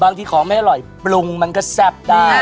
บางทีของไม่รสปรุงมันจะแซ่บได้